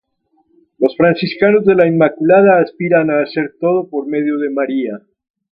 Los Franciscanos de la Inmaculada aspiran a hacer todo por medio de María.